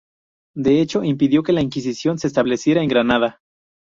De hecho, impidió que la Inquisición se estableciera en Granada.